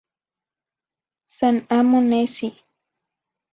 San amo nesi.